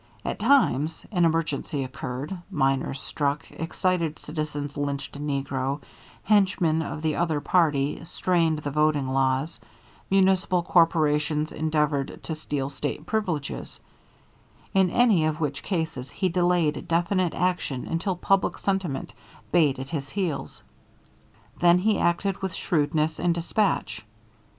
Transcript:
At times an emergency occurred, miners struck, excited citizens lynched a negro, henchmen of the other party strained the voting laws, municipal corporations endeavored to steal State privileges in any of which cases he delayed definite action until public sentiment bayed at his heels, then he acted with shrewdness and despatch.